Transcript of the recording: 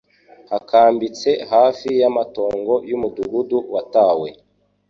Nakambitse hafi y'amatongo y'umudugudu watawe.